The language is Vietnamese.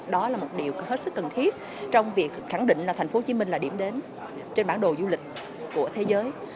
đó là một điều hết sức cần thiết trong việc khẳng định là thành phố hồ chí minh là điểm đến trên bản đồ du lịch của thế giới